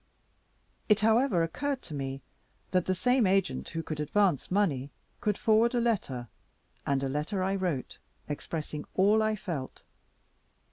It however occurred to me that the same agent who could advance money could forward a letter; and a letter I wrote, expressing all I felt.